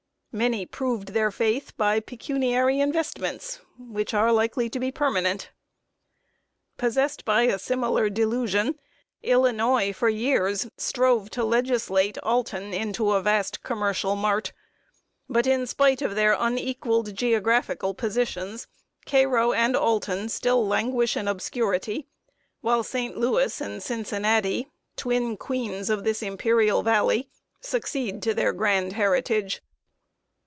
Many proved their faith by pecuniary investments, which are likely to be permanent. Possessed by a similar delusion, Illinois, for years, strove to legislate Alton into a vast commercial mart. But, in spite of their unequaled geographical positions, Cairo and Alton still languish in obscurity, while St. Louis and Cincinnati, twin queens of this imperial valley, succeed to their grand heritage.